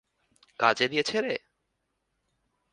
কাজে দিয়েছে রে!